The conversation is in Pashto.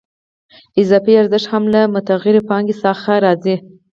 اضافي ارزښت هم له متغیرې پانګې څخه راځي